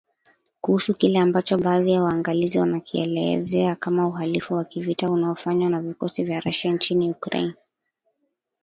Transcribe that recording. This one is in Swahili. kuhusu kile ambacho baadhi ya waangalizi wanakielezea kama uhalifu wa kivita unaofanywa na vikosi vya Russia nchini Ukraine.